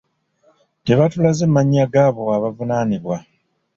Tebaatulaze mannya g'abo abavunaanibwa.